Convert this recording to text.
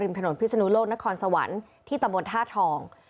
ริมถนนพิศนุโลกนครสวรรค์ที่ตำบลธาตุธรรม